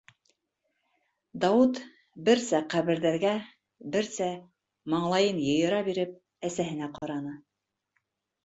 - Дауыт, берсә ҡәберҙәргә, берсә, маңлайын йыйыра биреп, әсәһенә ҡараны.